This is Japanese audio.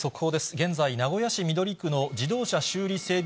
現在、名古屋市緑区の自動車修理整備